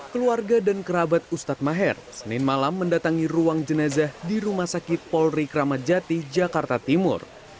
keluarga dan kerabat ustadz maher senin malam mendatangi ruang jenazah di rumah sakit polri kramajati jakarta timur